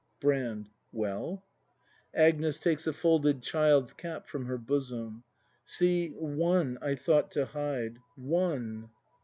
Brand. Well? Agnes. [Takes a folded child's cap from her bosom.] See, one I thought to hide — One!